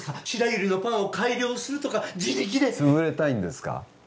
白百合のパンを改良するとか自力でつぶれたいんですか？